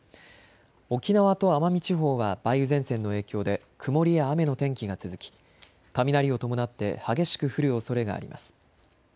沖縄と奄美地方は梅雨前線の影響で曇りや雨の天気が続き雷を伴って激しく降るおそれがあります。